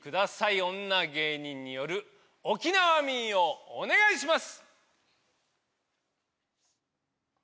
女芸人による沖縄民謡お願いします！